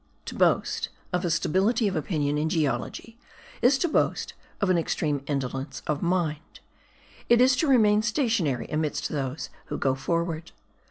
To boast of a stability of opinion in geology is to boast of an extreme indolence of mind; it is to remain stationary amidst those who go forward.